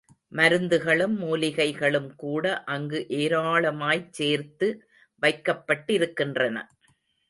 மருந்துகளும் மூலிகைகளும் கூட அங்கு ஏராளமாய்ச் சேர்த்து வைக்கப்பட்டிருக்கின்றன.